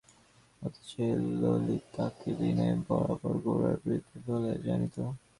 অথচ এই ললিতাকে বিনয় বরাবর গোরার বিরুদ্ধ বলিয়াই জানিত।